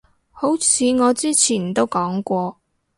好似我之前都講過